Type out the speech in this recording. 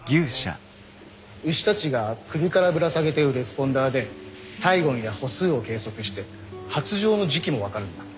牛たちが首からぶら下げてるレスポンダーで体温や歩数を計測して発情の時期も分かるんだ。